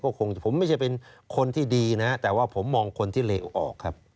ก็คงไม่ใช่เป็นคนที่ดีนะแต่ว่าผมมองคนที่เลวออกครับ